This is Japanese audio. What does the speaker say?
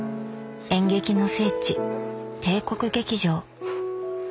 演劇の聖地帝国劇場。